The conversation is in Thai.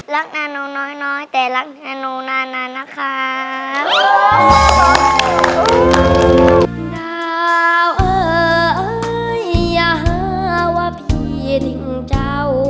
รักหนูน้อยน้อยแต่รักหนูนานานนะคะ